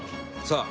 さあ。